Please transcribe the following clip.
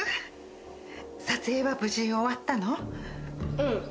うん。